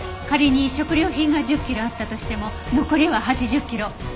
仮に食料品が１０キロあったとしても残りは８０キロ。